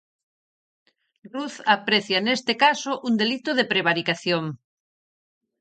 Ruz aprecia neste caso un delito de prevaricación.